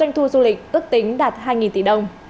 doanh thu du lịch ước tính đạt hai tỷ đồng